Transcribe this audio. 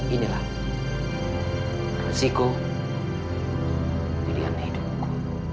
inilah resiko pilihan hidupku